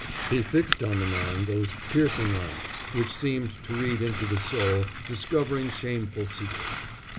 He fixed on the man those piercing eyes which seemed to read into the soul, discovering shameful secrets.